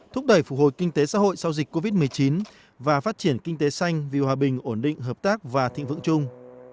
thúc đẩy phục hồi kinh tế xã hội sau dịch covid một mươi chín và phát triển kinh tế xanh vì hòa bình ổn định hợp tác và thịnh vượng chung